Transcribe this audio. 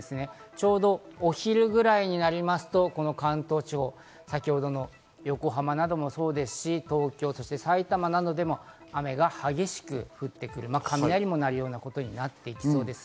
ちょうどお昼ぐらいになりますと関東地方、先ほどの横浜などもそうですし、東京、埼玉などでも雨が激しく降ってくる、雷も鳴るようなことになってきそうです。